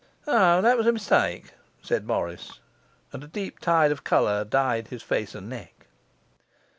'O, that was a mistake,' said Morris, and a deep tide of colour dyed his face and neck.